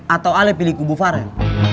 atau ale pilih kubu farel